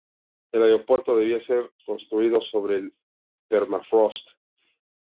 El aeropuerto debía ser construido sobre el permafrost.